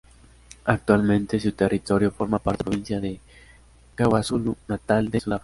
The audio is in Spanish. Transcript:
Actualmente su territorio forma parte de la provincia de KwaZulu-Natal de Sudáfrica.